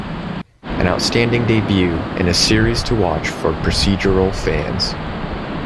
An outstanding debut and a series to watch for procedural fans.